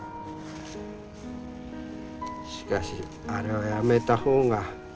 しかしあれはやめた方が。